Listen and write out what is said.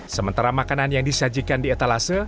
sementara makanan yang disajikan di etalase